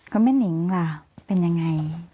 ก็แม่นิงล่ะเป็นยังไง